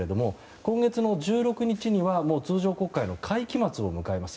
今月１６日には通常国会の会期末を迎えます。